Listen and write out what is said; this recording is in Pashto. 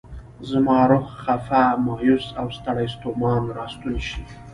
زما روح خفه، مایوس او ستړی ستومان راستون شي.